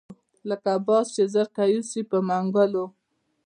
لکه باز چې زرکه یوسي په منګلو